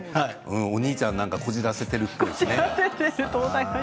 お兄ちゃんなんかこじらせてるっぽいね。